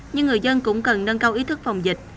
nhưng người dân cũng cần nâng cao ý thức phòng dịch